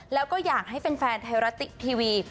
แล้วก็อยากให้เป็นแฟนไทยรัตติ๊กทีวี